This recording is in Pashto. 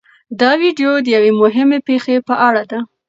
دا ویډیو د یوې مهمې پېښې په اړه ده.